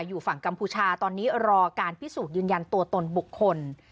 อยู่ฝั่งกัมพูชาตอนนี้รอการพิสูจน์ยืนยันตัวตนบุคคล